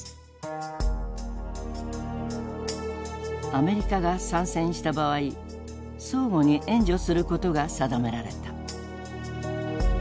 アメリカが参戦した場合相互に援助することが定められた。